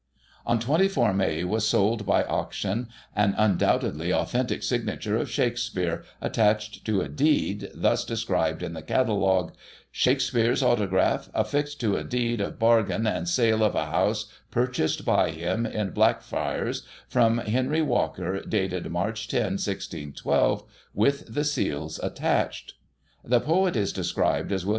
On 24 May was sold by auction an undoubtedly authentic signature of Shakspere, attached to a deed, thus described in the catalogue :" Shakspere's autograph affixed to a deed of bargain and sale of a house purchased by him, in Black friars, from Henry Walker, dated March 10, 16 12, with the seals attached." The poet is described as " Wm.